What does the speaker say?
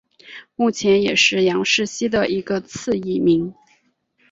目前也是杨氏蜥的一个次异名。